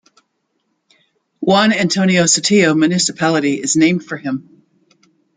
Juan Antonio Sotillo Municipality is named for him.